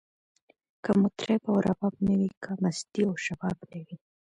که مطرب او رباب نه وی، که مستی او شباب نه وی